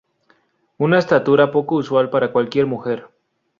Una estatura poco usual para cualquier mujer.